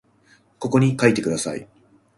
ここに書いてください